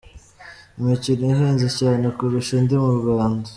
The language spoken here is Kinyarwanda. Imikino ihenze cyane kurusha indi mu Rwanda